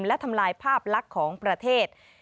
และทำลายภาพลักษณ์ของประเทศ